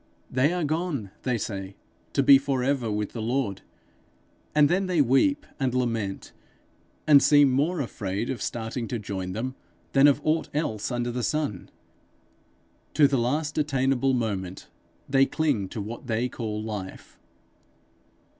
'They are gone,' they say, 'to be for ever with the Lord;' and then they weep and lament, and seem more afraid of starting to join them than of aught else under the sun! To the last attainable moment they cling to what they call life.